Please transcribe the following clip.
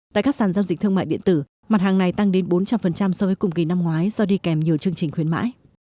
tại các sàn giao dịch thương mại điện tử mặt hàng này tăng đến bốn trăm linh so với cùng kỳ năm ngoái do đi kèm nhiều chương trình khuyến mãi